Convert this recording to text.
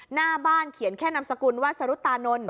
หน้าบ้านเขียนแค่นามสกุลว่าสรุตานนท์